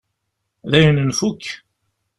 Dayen nfukk?